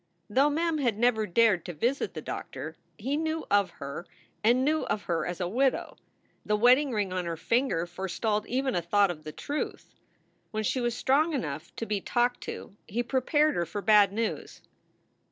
Though Mem had never dared to visit the doctor, he knew of her, and knew of her as a widow. The wedding ring on her finger forestalled even a thought of the truth. When she was strong enough to be talked to he prepared her for bad news.